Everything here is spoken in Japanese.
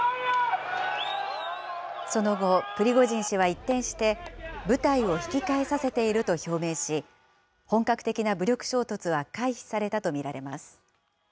その後、プリゴジン氏は一転して、部隊を引き返させていると表明し、本格的な武力衝突は回避されたと見られます。